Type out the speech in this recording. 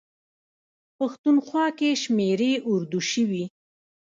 پښتونخوا کې شمېرې اردو شوي.